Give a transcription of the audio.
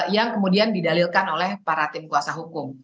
yang kemudian didalilkan oleh para tim kuasa hukum